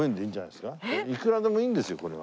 いくらでもいいんですよこれは。